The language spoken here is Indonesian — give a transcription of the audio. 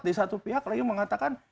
di satu pihak lagi mengatakan